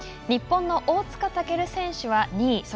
日本の大塚健選手は２位。